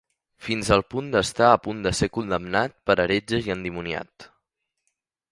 Fins al punt d'estar a punt de ser condemnat per heretge i endimoniat.